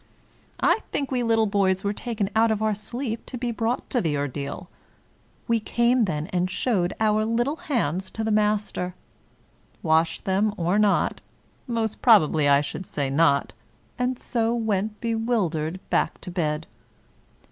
I think we little boys were taken out of our sleep to be brought to the ordeal. We came, then, and showed our little hands to the master; washed them or not — most probably, I should say, not — ^and so went bewildered back to bed.